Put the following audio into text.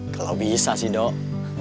kalau bisa sih dok